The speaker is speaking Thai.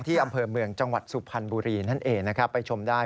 ที่อำเภอเมืองจังหวัดสุพรรณบุรีท่านเอกไปชมได้